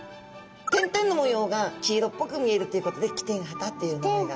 点々の模様が黄色っぽく見えるということでキテンハタっていう名前が。